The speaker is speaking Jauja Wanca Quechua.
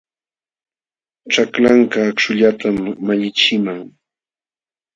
Chaklanka akśhullatam malliqchiman.